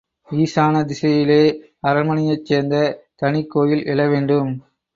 ஈசான திசையிலே அரண்மனையைச் சேர்ந்த தனிக் கோயில் எழ வேண்டும்.